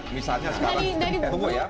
misalnya sekarang tunggu ya